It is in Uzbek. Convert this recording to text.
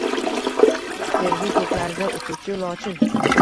Sevgi ko’klarida uchuvchi lochin